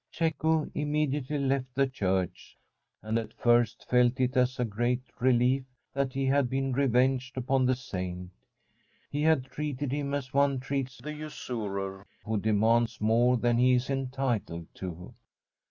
% Cecco immediately left the church, and at first felt it as a great relief that he had been revenged upon the Saint. He had treated him as one treats a usurer who demands more than he is entitled to.